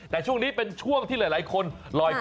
แต่ช่วงนี้เป็นช่วงที่หลายคนลอยคอ